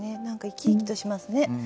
何か生き生きとしますね。